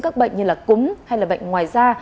các bệnh như là cúng hay là bệnh ngoài da